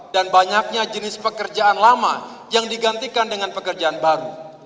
dan banyaknya jenis pekerjaan lama yang digantikan dengan pekerjaan baru